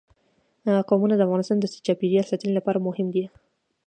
قومونه د افغانستان د چاپیریال ساتنې لپاره مهم دي.